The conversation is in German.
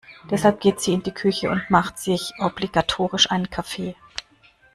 Deshalb geht sie in die Küche und macht sich obligatorisch einen Kaffee.